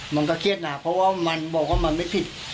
มันก็เครียดหนักเพราะว่ามันบอกว่ามันไม่ผิด